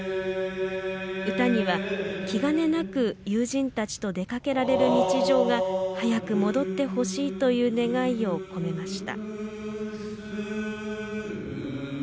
歌には気兼ねなく友人たちと出かけられる日常が早く戻ってほしいという願いを込めました。